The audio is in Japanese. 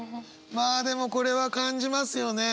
まあでもこれは感じますよね。